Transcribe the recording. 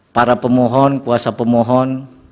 para pemohon kuasa pemohon